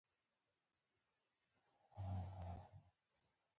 بولاني د ټولو افغانانو د خوښې خواړه دي.